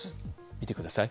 見てください。